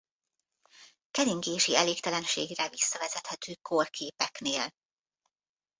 Keringési elégtelenségre visszavezethető kórképeknél.